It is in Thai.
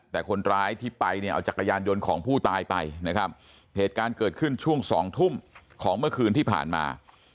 แต่คนร้ายที่ไปเนี่ยเอาจักรยานยนต์ของผู้ตายไปนะครับเหตุการณ์เกิดขึ้นช่วงสองทุ่มของเมื่อคืนที่ผ่านมา